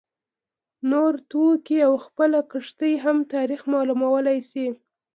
نور توکي او خپله کښتۍ هم تاریخ معلومولای شي